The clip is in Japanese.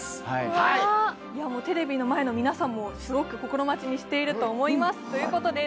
テレビの前の皆さんも心待ちにしていると思います。